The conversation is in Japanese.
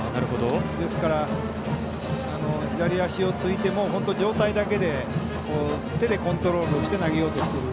ですから左足をついても本当、上体だけで手でコントロールをして投げようとしている。